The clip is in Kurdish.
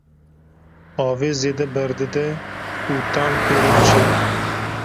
avê zêde ber dide û tehm pê re diçe.